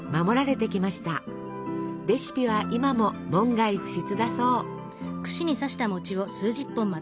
レシピは今も門外不出だそう。